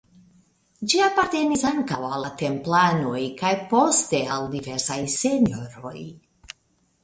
Ĝi apartenis ankaŭ al la Templanoj kaj poste al diversaj senjoroj.